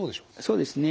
そうですね。